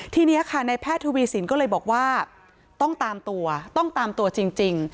ทีนี้ค่ะในแพทย์ทวีสินก็เลยบอกว่าต้องตามตัวต้องตามตัวจริง